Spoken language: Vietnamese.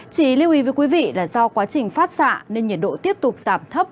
chỉ lưu ý với quý vị là do quá trình phát xạ nên nhiệt độ tiếp tục giảm thấp